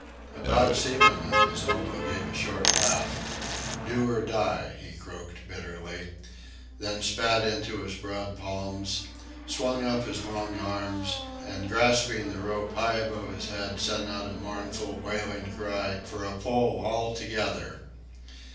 A bowed seaman at his elbow gave a short laugh. "Do or die," he croaked bitterly, then spat into his broad palms, swung up his long arms, and grasping the rope high above his head sent out a mournful, wailing cry for a pull all together.